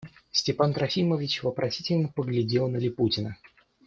Степан Трофимович вопросительно поглядел на Липутина.